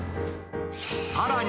さらに、